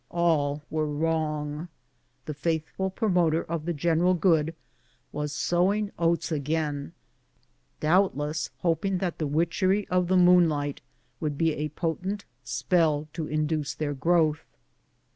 All were wrong. The faithful promoter of the general good was sowing oats again, doubtless hoping that the witchery of the moonlight would be a potent spell to 8 no BOOTS AND SADDLES. induce their growth.